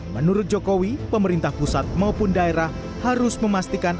menurut jokowi pemerintah pusat maupun daerah harus memastikan